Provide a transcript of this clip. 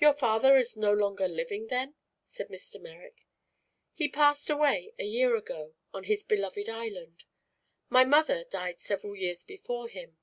"Your father is no longer living, then?" said Mr. Merrick. "He passed away a year ago, on his beloved island. My mother died several years before him.